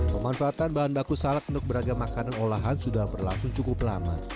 pemanfaatan bahan baku salak untuk beragam makanan olahan sudah berlangsung cukup lama